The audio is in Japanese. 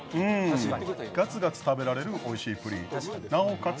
ガツガツ食べられるおいしいプリン、なおかつ